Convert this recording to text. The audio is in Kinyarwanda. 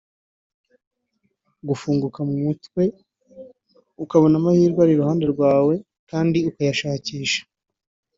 gufunguka mu mutwe ukabona amahirwe ari iruhande rwawe kandi ukanayashakisha